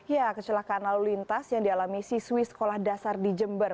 ya kecelakaan lalu lintas yang dialami siswi sekolah dasar di jember